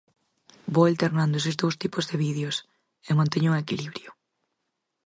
Vou alternando eses dous tipos de vídeos, e manteño un equilibrio.